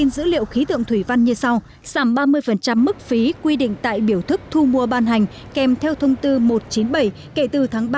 giảm hai mươi mức phí quy định tại biểu thức thu ban hành kèm theo thông tư một trăm chín mươi bảy kể từ ngày hai tháng ba